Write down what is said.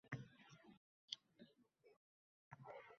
Hayot haqida qisqa tirnoq bor